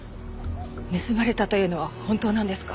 盗まれたというのは本当なんですか？